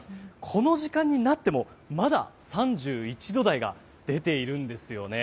この時間になってもまだ３１度台が出ているんですよね。